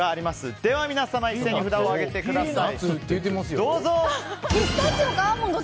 では皆さん一斉に札を上げてください。